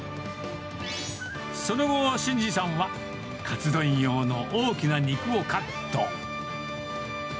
その後、慎司さんはカツ丼用の大きな肉をカット。